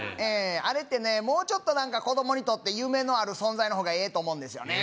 あれってねもうちょっと何か子供にとって夢のある存在の方がええと思うんですよね